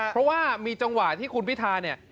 เพราะว่ามีจังหวะที่คุณพิธาเนี่ย